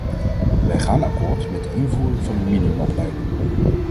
Wij gaan akkoord met de invoering van een minimumopleiding.